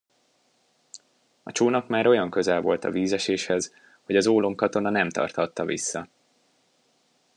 A csónak már olyan közel volt a vízeséshez, hogy az ólomkatona nem tarthatta vissza.